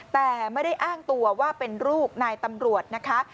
แต่ไม่ได้อ้างตัวว่าเป็นลูกนายตำรวจนะคะ